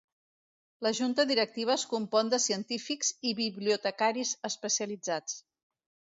La junta directiva es compon de científics i bibliotecaris especialitzats.